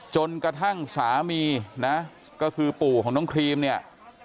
จนกระทั่งสามีนะก็คือปู่ของน้องครีมเนี่ย